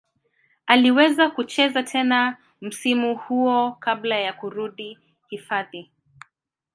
Aliweza kucheza tena msimu huo kabla ya kurudi hifadhi.